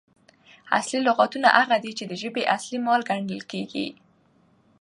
اصلي لغاتونه هغه دي، چي د ژبي اصلي مال ګڼل کیږي.